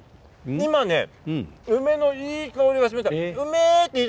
今梅のいい香りがしました。